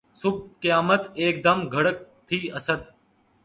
صبح قیامت ایک دم گرگ تھی اسدؔ